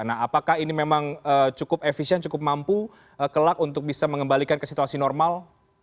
nah apakah ini memang cukup efisien cukup mampu kelak untuk bisa mengembalikan ke situasi normal